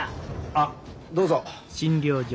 あっどうぞ。